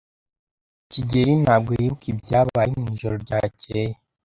kigeli ntabwo yibuka ibyabaye mwijoro ryakeye.